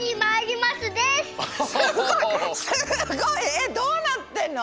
えっどうなってんの？